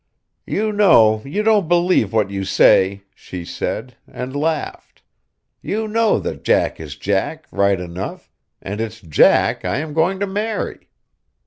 "You know you don't believe what you say," she said, and laughed. "You know that Jack is Jack, right enough; and it's Jack I am going to marry."